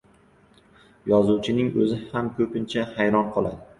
yozuvchining oʻzi ham koʻpincha hayron qoladi.